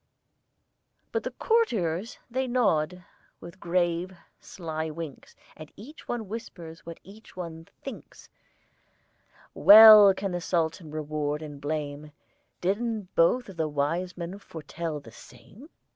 But the courtiers they nod, with grave, sly winks, And each one whispers what each one thinks, "Well can the Sultan reward and blame: Didn't both of the wisemen foretell the same?"